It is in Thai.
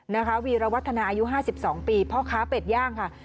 วีรวัฒนาอายุ๕๒ปีพ่อค้าเป็ดย่างค่ะ